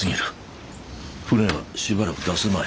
船はしばらく出せまい。